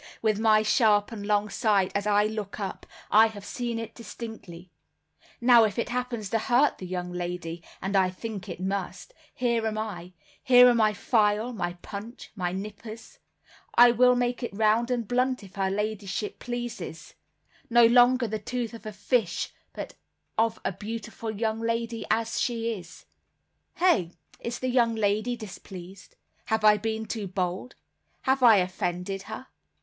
With my sharp and long sight, as I look up, I have seen it distinctly; now if it happens to hurt the young lady, and I think it must, here am I, here are my file, my punch, my nippers; I will make it round and blunt, if her ladyship pleases; no longer the tooth of a fish, but of a beautiful young lady as she is. Hey? Is the young lady displeased? Have I been too bold? Have I offended her?"